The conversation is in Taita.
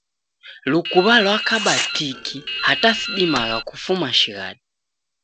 Lukuw'a lwakaba tiki hata sidimagha kufuma shighadi